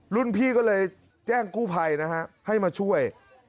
รุ่นพี่ก็เลยแจ้งกู้ภัยนะฮะให้มาช่วย